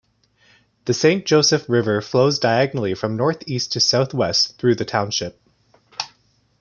The Saint Joseph River flows diagonally from northeast to southwest through the township.